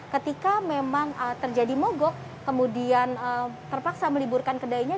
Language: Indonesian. ketika memang terjadi mogok kemudian terpaksa meliburkan kedainya